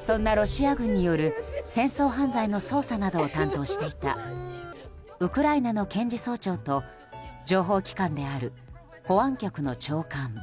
そんなロシア軍による戦争犯罪の捜査などを担当していたウクライナの検事総長と情報機関である保安局の長官。